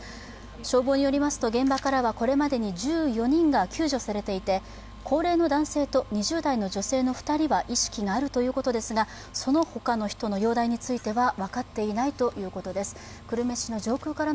消防によりますと現場からはこれまでに１４人が救助されていて高齢の男性と２０代の女性の２人は意識があるということですが、そのほかの人の容体は分かっていないということです。